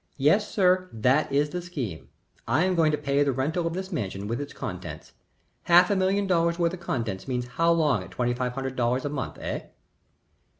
Yes, sir. That is the scheme. I am going to pay the rental of this mansion with its contents. Half a million dollars' worth of contents means how long at twenty five hundred dollars a month? Eh?"